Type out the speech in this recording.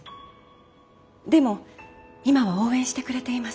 でも今は応援してくれています。